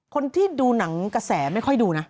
คนที่ดูหนังกระแสไม่ค่อยดูนะ